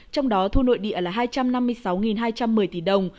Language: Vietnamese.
trong đó thu nội địa là hai trăm năm mươi sáu hai trăm một mươi tỷ đồng